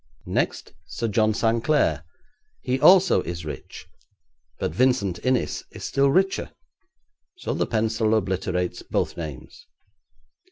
Next, Sir John Sanclere; he also is rich, but Vincent Innis is still richer, so the pencil obliterates both names.